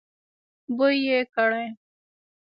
بوی يې کړی.